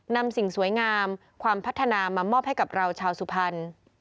สิ่งสวยงามความพัฒนามามอบให้กับเราชาวสุพรรณ